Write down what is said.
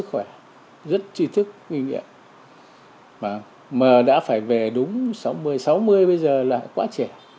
cho đến khi nam đủ sáu mươi hai tuổi